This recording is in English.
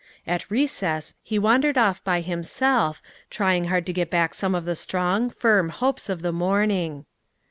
At recess he wandered off by himself, trying hard to get back some of the strong, firm hopes of the morning.